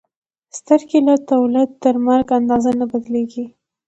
سترګې له تولد تر مرګ اندازه نه بدلېږي.